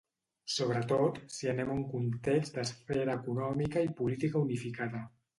Sobretot si anem a un context d’esfera econòmica i política unificada.